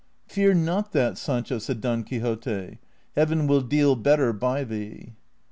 " Fear not that, Sancho," said Don Quixote :" Heaven Avill deal better by thee."